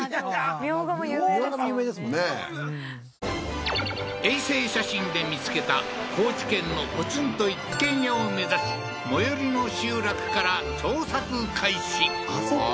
いや茗荷も有名ですもんね衛星写真で見つけた高知県のポツンと一軒家を目指し最寄りの集落から捜索開始あそこ？